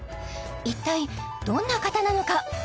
一体どんな方なのか？